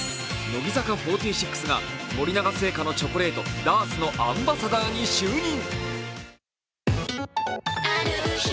乃木坂４６が森永乳業のチョコレートＤＡＲＳのアンバサダーに就任。